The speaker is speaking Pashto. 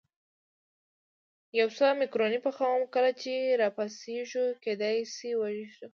یو څه مکروني پخوم، کله چې را پاڅېږو کېدای شي وږي یو.